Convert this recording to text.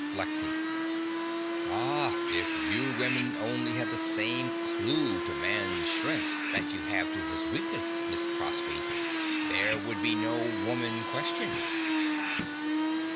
LEXY. Ah, if you women only had the same clue to Man's strength that you have to his weakness, Miss Prossy, there would be no Woman Question.